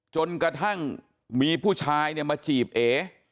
จนกระทั่งมีผู้ชายเนี่ยมาจีบเอ